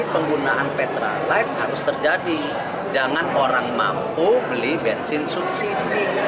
penggunaan petralight harus terjadi jangan orang mampu beli bensin subsidi